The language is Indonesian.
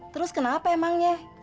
terus kenapa emangnya